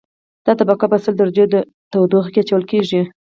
دا طبقه په سل درجو تودوخه کې اچول کیږي